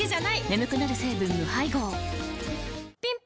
眠くなる成分無配合ぴん